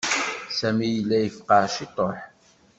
Sami yella yefqeɛ ciṭuḥ.